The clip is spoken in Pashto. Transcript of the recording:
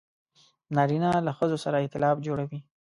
نارینه له ښځو سره ایتلاف جوړوي.